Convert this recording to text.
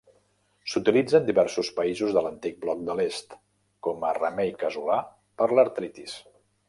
S'utilitza en diversos països de l'antic bloc de l'Est com a remei casolà per l'artritis.